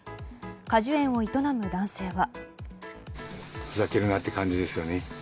果樹園を営む男性は。